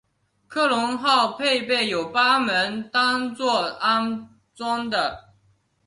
科隆号配备有八门单座安装的。